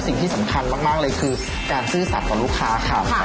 สิ่งที่สำคัญมากเลยคือการซื่อสัตว์ของลูกค้าค่ะ